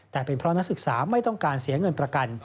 แต่เป็นเพราะนักศึกษาไม่ต้องการเสียเงินประกัน